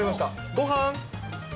ごはん。